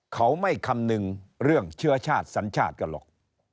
เขาไม่คำนึงเรื่องเชื้อชาติสัญชาติกันหรอก